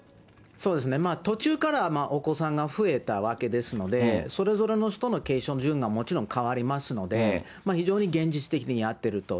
途中からお子さんが増えたわけですので、それぞれの人の継承の順位がもちろん変わりますので、非常に現実的にやっていると。